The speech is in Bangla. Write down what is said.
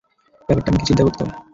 ব্যাপারটা আমাকে চিন্তা করতে দাও।